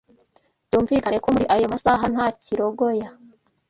Byumvikane ko muri ayo masaha nta kirogoya